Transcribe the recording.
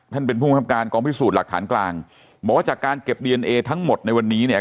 เป็นภูมิคับการกองพิสูจน์หลักฐานกลางบอกว่าจากการเก็บดีเอนเอทั้งหมดในวันนี้เนี่ย